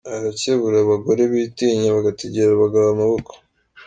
Arakebura abagore bitinya bagategera abagabo amaboko.